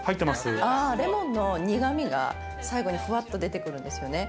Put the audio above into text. レモンの苦味が最後にふわっと出てくるんですよね。